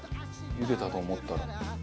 ゆでたと思ったら。